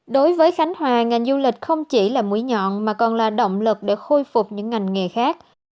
đối với khánh hòa ngành du lịch không chỉ là mũi nhọn mà còn là động lực để khôi phục những ngành nghề khác